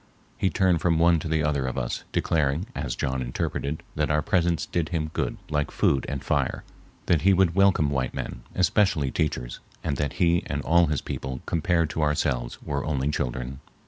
He turned from one to the other of us, declaring, as John interpreted, that our presence did him good like food and fire, that he would welcome white men, especially teachers, and that he and all his people compared to ourselves were only children.